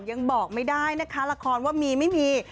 ยังบอกไม่ได้นะคะละครว่ามีไม่มี